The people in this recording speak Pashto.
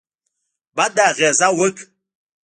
بده اغېزه وکړه.